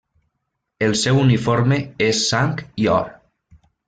El seu uniforme és sang i or.